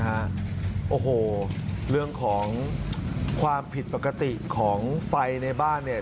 โอ้โหเรื่องของความผิดปกติของไฟในบ้านเนี่ย